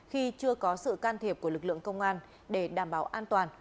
khi chưa có sự can thiệp của lực lượng công an để đảm bảo an toàn